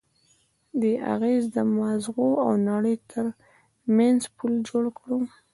دې اغېز د ماغزو او نړۍ ترمنځ پُل جوړ کړ.